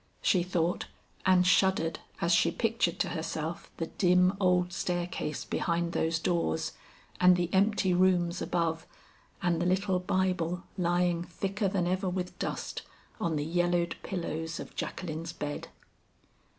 she thought, and shuddered as she pictured to herself the dim old staircase behind those doors, and the empty rooms above, and the little Bible lying thicker than ever with dust, on the yellowed pillows of Jacqueline's bed.